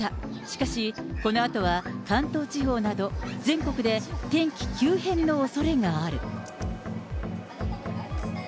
しかし、このあとは関東地方など、全国で天気急変のおそれがある。